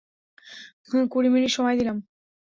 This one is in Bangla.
কুড়ি মিনিট সময় দিলাম।